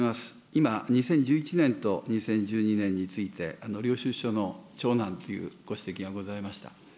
今、２０１１年と２０１２年について、領収書のちょうなんというご指摘がございました。